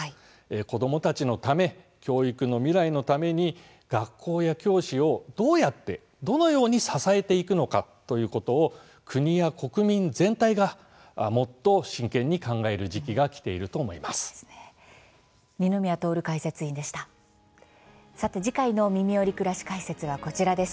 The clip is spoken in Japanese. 子どもたちのため教育の未来のために学校や教師をどうやってどのように支えていくのかということを国や国民全体がもっと真剣に考える時期がきていると思います。